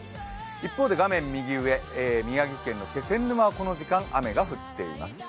一方でがめん右上、宮城県の気仙沼は今、雨が降っています。